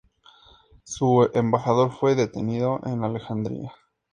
Su embajador fue detenido en Alejandría.